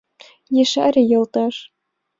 Ешаре, йолташ!